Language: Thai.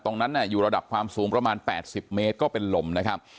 ตรงนั้นอยู่ระดับความสูงประมาณ๘๐เมตรก็เป็นลมนะครับ